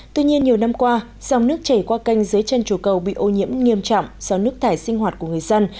tuy nhiên nhiều năm qua dòng nước chảy qua canh dưới chân chùa cầu bị ô nhiễm nghiêm trọng do nước thải sinh hoạt của người dân